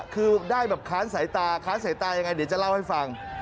คือได้แบบค้านสายตาค้านสายตายังไงเดี๋ยวจะเล่าให้ฟัง